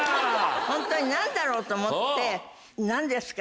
ホントに何だろう？と思って何ですか？